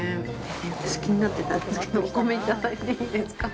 えっ、私、気になってたんですけど、お米、いただいていいですか。